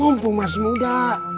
mumpung masih muda